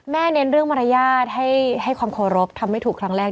เน้นเรื่องมารยาทให้ความเคารพทำไม่ถูกครั้งแรก